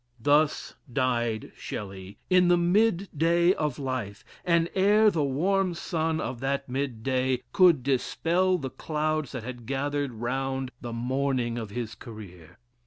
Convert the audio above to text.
Thus died Shelley in the mid day of life, and ere the warm sun of that mid day could dispel the clouds that had gathered round the morning of his career.